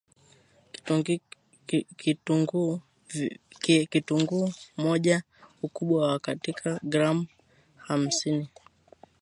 Kitunguu moja ukubwa wa kati gram hamsini